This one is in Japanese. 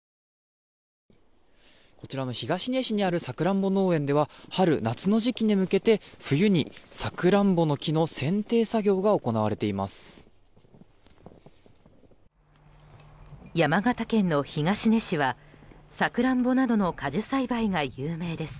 こちらの東根市にあるサクランボ農園では春夏の時期に向けて冬にサクランボの木のせん定作業が行われています。